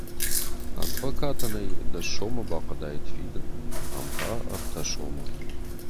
Адвокатӕн ӕй дӕс сомы бахъуыдаид фидын, ам та ӕртӕ сомы.